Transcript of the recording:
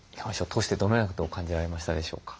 通してどのようなことを感じられましたでしょうか？